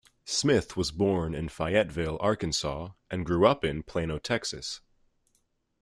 Smith was born in Fayetteville, Arkansas, and grew up in Plano, Texas.